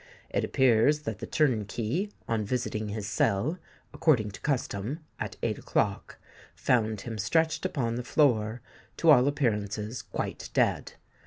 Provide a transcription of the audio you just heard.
It appears that the turnkey, on visiting his cell, according to custom, at eight o'clock, found him stretched upon the floor, to all appearances quite dead.